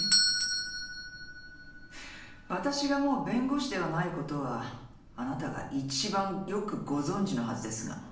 私がもう弁護士ではないことはあなたが一番よくご存じのはずですが。